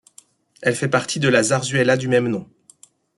Elle fait partie de la zarzuela du même nom.